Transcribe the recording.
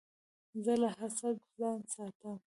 زه له حسده ځان ساتم.